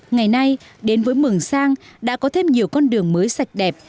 ngày nay đến với mường sang đã có thêm nhiều con đường mới sạch đẹp